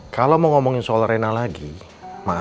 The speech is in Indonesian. kalau mau omongin soal rena lagi maaf